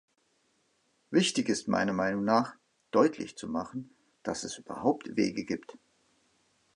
Wichtig ist meiner Meinung nach, deutlich zu machen, dass es überhaupt Wege gibt.